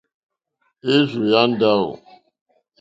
Érzù yá ndáwò.